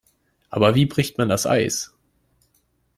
Aber wie bricht man das Eis?